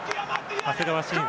長谷川慎